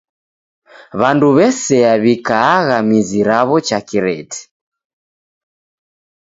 W'andu w'esea w'ikaagha mizi raw'o cha kireti.